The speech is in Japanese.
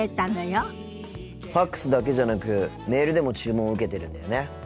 ＦＡＸだけじゃなくメールでも注文を受けてるんだよね。